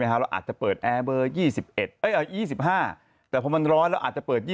ไม่คะเราอาจจะเปิดแอร์เบอร์๒๑บาท๒๕แต่พอมันร้อยอาจจะเปิด